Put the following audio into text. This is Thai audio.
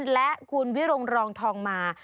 และคุณวิรงรองทองมา